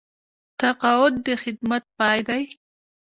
تقاعد د خدمت پای دی